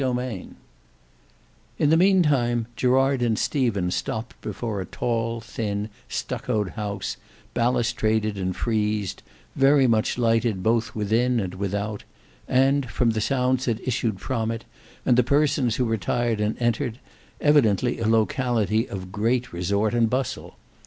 Book 2 Chapter 10 In the meantime Gerard and Stephen stopped before a tall, thin, stuccoed house, ballustraded and friezed, very much lighted both within and without, and, from the sounds that issued from it, and the persons who retired and entered, evidently a locality of great resort and bustle.